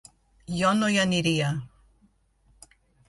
Jo no hi aniria.